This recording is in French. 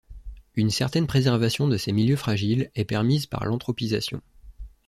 Une certaine préservation de ces milieux fragiles est permise par l'anthropisation.